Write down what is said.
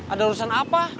ada urusan apa